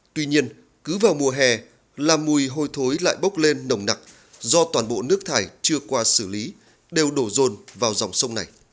tuy nhiên cứ vào mùa hè là mùi hôi thối lại bốc lên nồng nặc do toàn bộ nước thải chưa qua xử lý đều đổ rồn vào dòng sông này